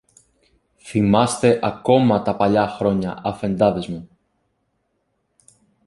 Θυμάστε ακόμα τα παλιά χρόνια, Αφεντάδες μου.